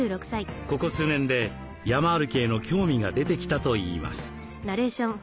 ここ数年で山歩きへの興味が出てきたといいます。